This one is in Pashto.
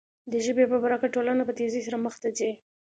د ژبې په برکت ټولنه په تېزۍ سره مخ ته ځي.